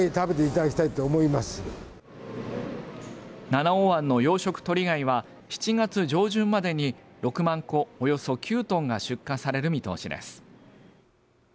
七尾湾の、養殖トリガイは７月上旬までに６万個およそ９トンが出荷される見通しです。